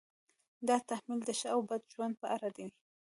دا تحمیل د ښه او بد ژوند په اړه وي.